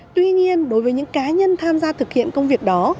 tuy nhiên đối với những cá nhân tham gia thực hiện công việc đó